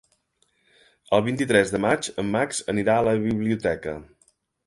El vint-i-tres de maig en Max anirà a la biblioteca.